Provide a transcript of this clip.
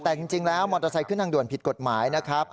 แต่จริงแล้วมอเตอร์ไซค์ขึ้นทางด่วนผิดกฎหมายนะครับ